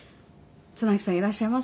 「綱木さんいらっしゃいますか？」